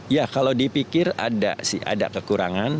ya kalau dipikir ada sih ada kekurangan